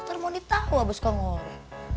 nanti mondi tau abah suka ngorok